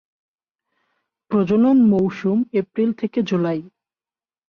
প্রজনন মৌসুম এপ্রিল থেকে জুলাই।